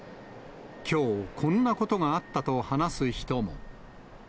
きょう、こんなことがあったと話す人も。